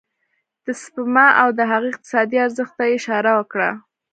د سپما او د هغه اقتصادي ارزښت ته يې اشاره وکړه.